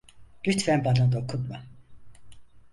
Lütfen bana dokunma.